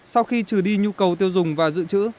sau khi trừ đi nhu cầu tiêu dùng và dự trữ